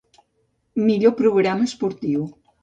Millor programa esportiu.